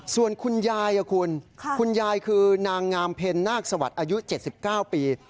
ส่วนคุณยายคุณคุณยายคือนางงามเพ็ญนาคสวัสดิ์อายุ๗๙ปี